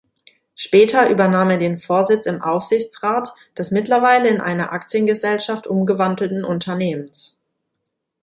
Später übernahm er den Vorsitz im Aufsichtsrat des mittlerweile in eine Aktiengesellschaft umgewandelten Unternehmens.